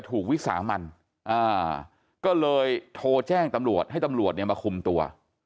ถูกวิสามันก็เลยโทรแจ้งตำรวจให้ตำรวจเนี่ยมาคุมตัว